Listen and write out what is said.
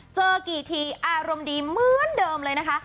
เจอกี่ทีอารมณ์ดีเหมือนเดิมเลยนะคะ